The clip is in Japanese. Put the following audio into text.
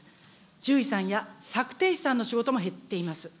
獣医さんやさくていしさんの仕事も減っています。